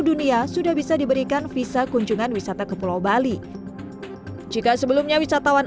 dunia sudah bisa diberikan visa kunjungan wisata ke pulau bali jika sebelumnya wisatawan